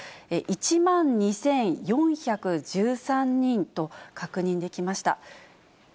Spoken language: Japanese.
１万２４１３人と確認できました。